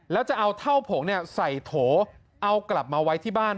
แล้วจะเอาเท่าผงใส่โถเอากลับมาไว้ที่บ้าน